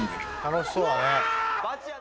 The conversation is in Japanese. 「楽しそうだね」